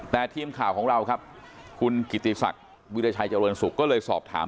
แต่ทีมข่าวของเราครับคุณกิติศักดิ์วิราชัยเจริญสุขก็เลยสอบถาม